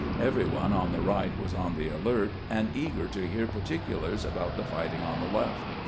Every one on the right was on the alert, and eager to hear particiilars about the fighting on the left.